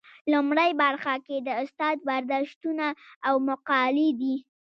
لومړۍ برخه کې د استاد برداشتونه او مقالې دي.